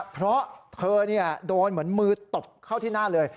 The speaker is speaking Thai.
เพราะเธอโดนเหมือนมือตบเข้าที่หน้าเลย